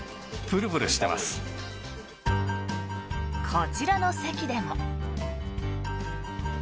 こちらの席でも。